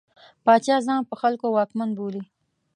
پاچا ځان په خلکو واکمن بولي.